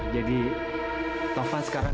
jadi taufan sekarang